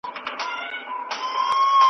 د چنار د وني سیوري ته تکیه سو .